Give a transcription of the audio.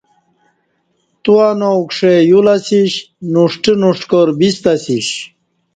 تو انواُکݜے یولہ اسیش نوݜٹہ نݜٹکار بیستہ اسیش